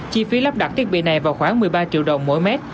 chi phí lắp đặt thiết bị này vào khoảng một mươi ba triệu đồng mỗi mét